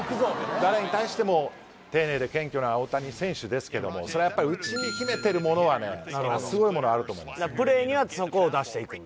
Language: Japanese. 誰に対しても丁寧で謙虚な大谷選手ですけどもそれはやっぱ内に秘めてるものはすごいものあると思いますよんですね